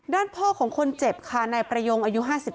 ด้านพ่อของคนเจ็บค่ะนายประยงอายุ๕๓